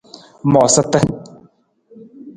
Moosata.